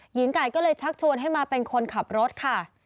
หญิงไก่ก็เลยชักชวนให้มาเป็นคนขับรถค่ะ